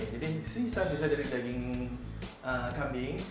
jadi sisa sisa dari daging kambing